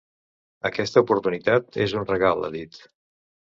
Aquesta oportunitat és un regal, ha dit.